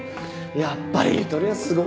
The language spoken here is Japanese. やっぱりゆとりはすごいわ。